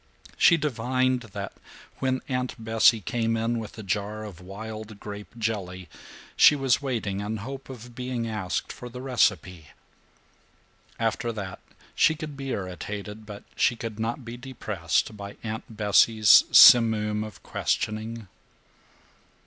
She divined that when Aunt Bessie came in with a jar of wild grape jelly she was waiting in hope of being asked for the recipe. After that she could be irritated but she could not be depressed by Aunt Bessie's simoom of questioning.